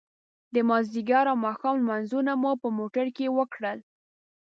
د ماذيګر او ماښام لمونځونه مو په موټر کې وکړل.